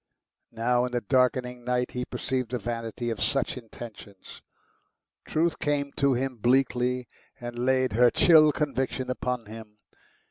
Now, in the darkening night, he perceived the vanity of such intentions. Truth came to him bleakly, and laid her chill conviction upon him.